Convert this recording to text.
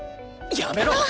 やめろっ！